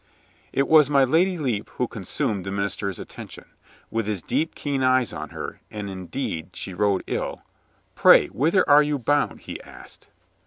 It was my Lady Lepe who consumed the minis ter's attention. With his deep keen eyes on her — and indeed she rode ill — "Pray, whither are you bound?" he asked.